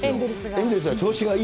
エンゼルスは調子がいい。